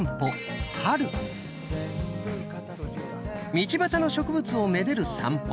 道端の植物をめでる散歩。